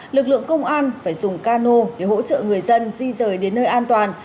lực lượng công an phải dùng cano để hỗ trợ người dân di rời đến nơi an toàn